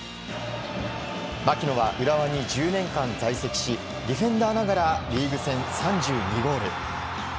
槙野は浦和に１０年間在籍し、ディフェンダーながらリーグ戦３２ゴール。